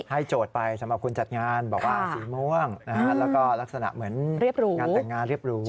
โจทย์ไปสำหรับคนจัดงานบอกว่าสีม่วงแล้วก็ลักษณะเหมือนงานแต่งงานเรียบรู้